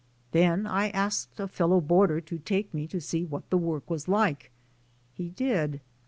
Then I asked a fellow boarder to take me to see what the work was like. He did.